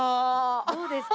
どうですか？